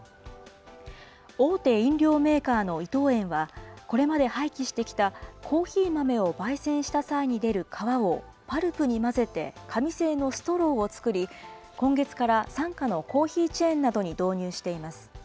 大手飲料メーカーの伊藤園は、これまで廃棄してきた、コーヒー豆をばいせんした際に出る皮を、パルプに混ぜて、紙製のストローを作り、今月から傘下のコーヒーチェーンなどに導入しています。